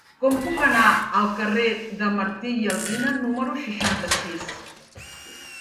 Com puc anar al carrer de Martí i Alsina número seixanta-sis?